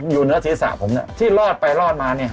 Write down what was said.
อยู่เนื้อศีรษะผมเนี่ยที่รอดไปรอดมา